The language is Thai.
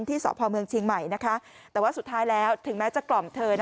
ที่สหพเมืองชิงใหม่แต่สุดท้ายถึงแม้จะกล่อมเธอ